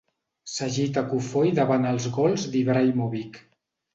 S'agita cofoi davant els gols d'Ibrahimovic.